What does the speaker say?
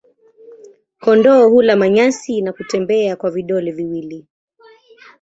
Kondoo hula manyasi na kutembea kwa vidole viwili.